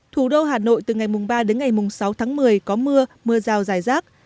thủ đô hà nội từ ngày ba đến ngày mùng sáu tháng một mươi có mưa mưa rào dài rác